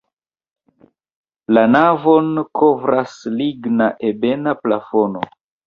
La navon kovras ligna ebena plafono.